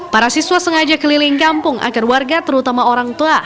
para siswa sengaja keliling kampung agar warga terutama orang tua